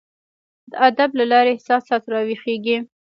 د ادب له لاري احساسات راویښیږي.